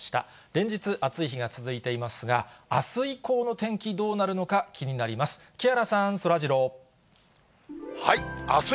連日、暑い日が続いていますが、あす以降の天気、どうなるのか気になります。